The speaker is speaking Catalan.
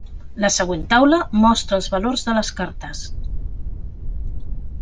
La següent taula mostra els valors de les cartes.